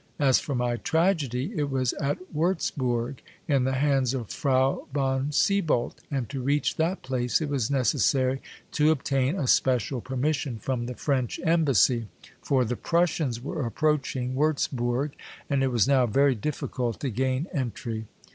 As for my tragedy, it was at Wurtzbourg, in the hands of Frau von Sieboldt, and to reach that place it was necessary to obtain a special permission from the French Embassy, for the Prussians were approaching Wurtzbourg, and it was now very difficult to gain entry.